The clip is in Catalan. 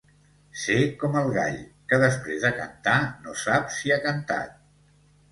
Ser com el gall, que després de cantar no sap si ha cantat.